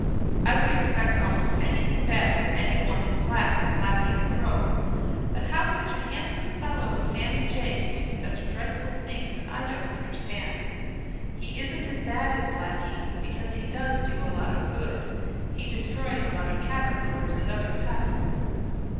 I would expect almost anything bad of any one as black as Blacky the Crow. But how such a handsome fellow as Sammy Jay can do such dreadful things I don't understand. He isn't as bad as Blacky, because he does do a lot of good. He destroys a lot of caterpillars and other pests.